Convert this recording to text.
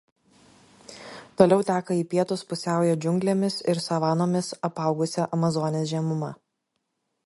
Toliau teka į pietus pusiaujo džiunglėmis ir savanomis apaugusia Amazonės žemuma.